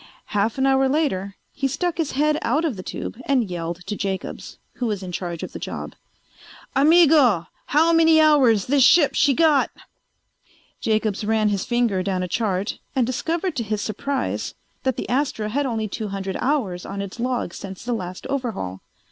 Half an hour later he stuck his head out of the tube and yelled to Jacobs, who was in charge of the job: "Amigo! How many hours this ship she got?" Jacobs ran his finger down a chart and discovered to his surprise that the Astra had only two hundred hours on its log since the last overhaul.